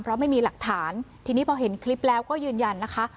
เพราะไม่มีหลักฐานทีนี้พอเห็นคลิปแล้วก็ยืนยันนะคะ